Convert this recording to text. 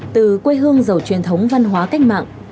từ quê hương giàu truyền thống văn hóa cách mạng